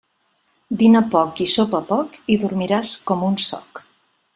Dina poc i sopa poc i dormiràs com un soc.